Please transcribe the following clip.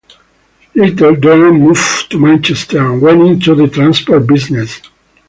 Later Doran moved to Manchester and went into the transport business.